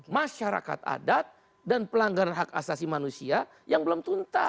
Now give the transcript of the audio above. masyarakat adat dan pelanggaran hak asasi manusia yang belum tuntas